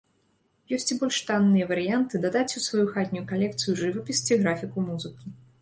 Ёсць і больш танныя варыянты дадаць у сваю хатнюю калекцыю жывапіс ці графіку музыкі.